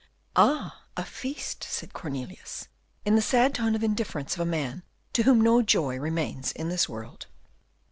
"Ah, a feast," said Cornelius, in the sad tone of indifference of a man to whom no joy remains in this world.